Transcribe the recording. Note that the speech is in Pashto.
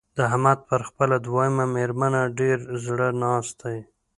د احمد پر خپله دويمه مېرمنه ډېر زړه ناست دی.